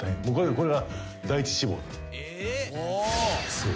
［そう。